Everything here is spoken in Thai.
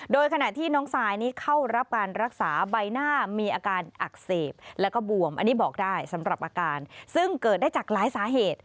โดยขณะที่น้องสายเข้ารับการรักษา